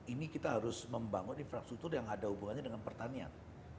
ini kita harus membangun infrastruktur yang ada hubungannya dengan pertanian